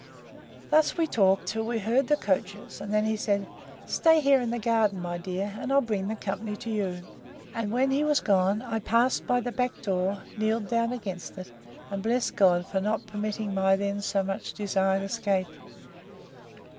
Thus we talked, till we heard the coaches; and then he said, Stay here, in the garden, my dear, and I'll bring the company to you. And when he was gone, I passed by the back door, kneeled down against it, and blessed God for not permitting my then so much desired escape.